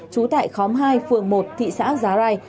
trú tại khóm hai phường một thị xã giá rai